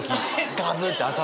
ガブって頭から。